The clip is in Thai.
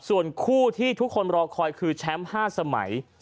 ส่วนคู่ที่ทุกคนรอคอยคือแชมป์๕สมัย